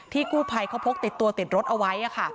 ที่กู้ภัยพกติดตัวติดรถไว้ค่ะ